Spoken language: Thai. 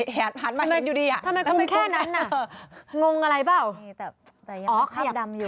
เห็นอยู่ดีทำไมเขาไปแค่นั้นน่ะงงอะไรเปล่าแต่ยังมันคับดำอยู่